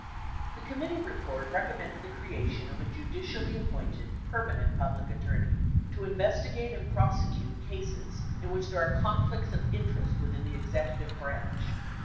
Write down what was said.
The committee report recommends the creation of a judicially appointed permanent Public Attorney to investigate and prosecute cases in which there are conflicts of interest within the executive branch.